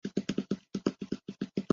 返税在四年内有效。